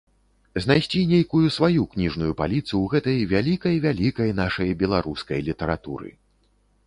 Знайсці нейкую сваю кніжную паліцу ў гэтай вялікай-вялікай нашай беларускай літаратуры.